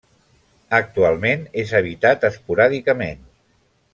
Actualment és habitat esporàdicament.